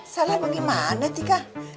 salah bagaimana atika